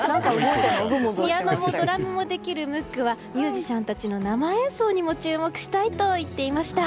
ピアノもドラムもできるムックはミュージシャンたちの生演奏にも注目したいと言っていました。